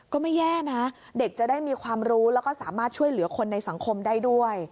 ก็ไม่แย่นะเด็กจะได้มีความรู้แล้วก็สามารถช่วยเหลือคนในสังคมได้ด้วย